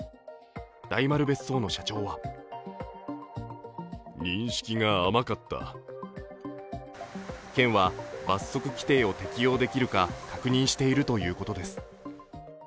大丸別荘の社長は県は、罰則規定を適用できるか確認しているということです。